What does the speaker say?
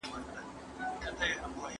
قرآن کریم د روغتیا لپاره څه لارښوونې لري؟